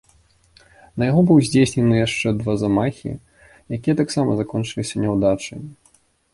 На яго быў здзейснены яшчэ два замахі, якія таксама закончыліся няўдачай.